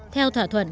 theo thỏa thuận